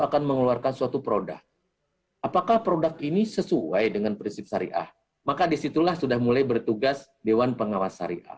apakah produk ini sesuai dengan prinsip syariah maka disitulah sudah mulai bertugas dewan pengawas syariah